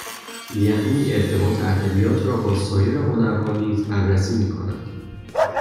یعنی ارتباط ادبیات را با سایر هنرها نیز بررسی میکند